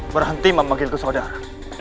berhenti memanggilku saudara